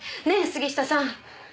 杉下さん。